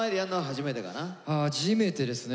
初めてですね。